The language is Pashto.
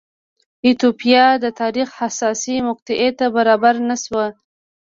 ایتوپیا د تاریخ حساسې مقطعې ته برابر نه شو.